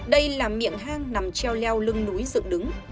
đây là miệng hang nằm treo leo lưng núi dựng đứng